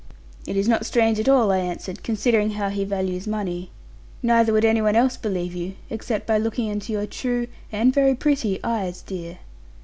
'It is not strange at all,' I answered; 'considering how he values money. Neither would any one else believe you, except by looking into your true, and very pretty eyes, dear.'